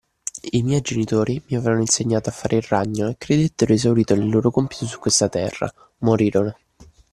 I miei genitori mi avevano insegnato a fare il ragno e credettero esaurito il loro compito su questa terra: morirono.